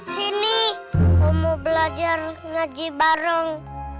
sini aku mau belajar ngaji bareng